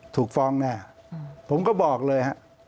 ถูกฟ้องแน่ผมก็บอกเลยฮะ